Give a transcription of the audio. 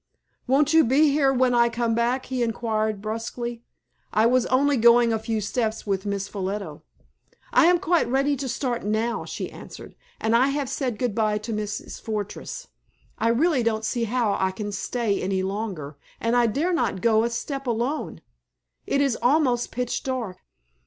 "Won't you be here when I come back," he inquired, brusquely. "I was only going a few steps with Miss Ffolliot." "I am quite ready to start now," she answered; "and I have said goodbye to Mrs. Fortress. I really don't see how I can stay any longer; and I dare not go a step alone. It is almost pitch dark.